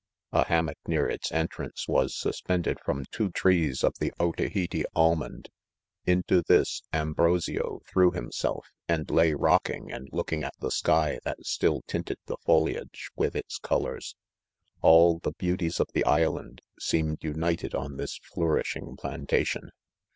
A ham mock near its entrance, was suspended froiKi two trees of the Otaheite almond Into this Ambrosio threw himself, and liny rocking and looking at the sky that still tinted the foliage with its colors. All the beauties of tke island, seemed united on this flourishing plantation.